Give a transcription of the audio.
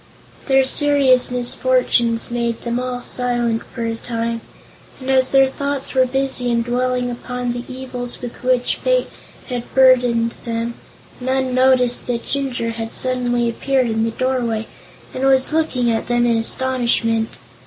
Their serious misfortunes made them all silent for a time, and as their thoughts were busy in dwelling upon the evils with which fate had burdened them, none noticed that Jinjur had suddenly appeared in the doorway and was looking at them in astonishment.